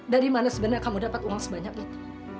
dari mana sebenarnya kamu dapat uang sebanyak itu